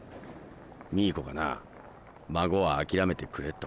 ミイコがな孫は諦めてくれと。